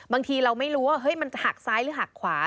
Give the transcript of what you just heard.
บางทีเราไม่รู้ว่าเฮ้ยมันหักซ้ายหรือหักขวา